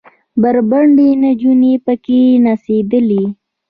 بربنډې نجونې پکښې نڅېدلې.